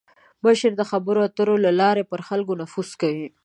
مشر د خبرو اترو له لارې پر خلکو نفوذ کوي.